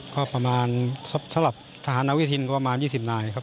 ก็ประมาณสำหรับทหารนาวิทินก็ประมาณ๒๐นายครับ